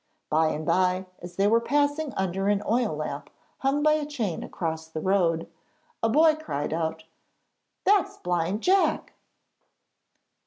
By and bye as they were passing under an oil lamp hung by a chain across the road, a boy cried out: 'That's Blind Jack!'